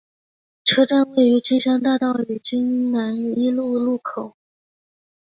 车站位于金山大道与金南一路路口。